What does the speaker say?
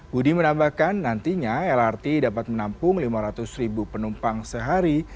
budi menambahkan nantinya lrt dapat menampung lima ratus ribu penumpang sehari